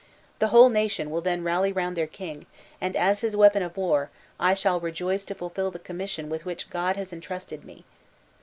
The whole nation will then rally round their king; and as his weapon of war, I shall rejoice to fulfill the commission with which God has intrusted me!"